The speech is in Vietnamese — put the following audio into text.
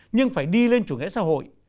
nhưng phải đi lên chủ nghĩa xã hội